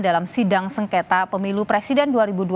dalam sidang sengketa pemilu presiden dua ribu dua puluh